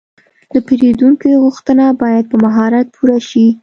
د پیرودونکي غوښتنه باید په مهارت پوره شي.